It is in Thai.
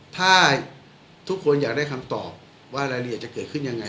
ถ้าทุกคนอยากได้คำตอบว่ารายละเอียดจะเกิดขึ้นยังไง